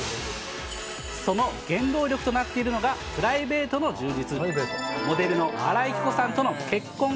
その原動力となっているのが、プライベートの充実。